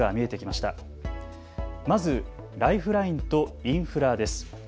まずライフラインとインフラです。